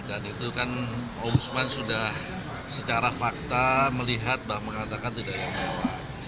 dan itu kan om usman sudah secara fakta melihat bahwa tidak ada yang mewah